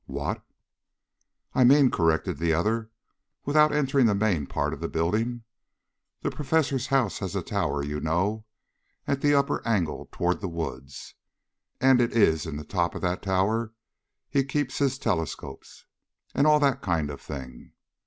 "What?" "I mean," corrected the other, "without entering the main part of the building. The professor's house has a tower, you know, at the upper angle toward the woods, and it is in the top of that tower he keeps his telescopes and all that kind of thing.